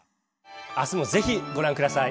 「明日もぜひご覧下さい」。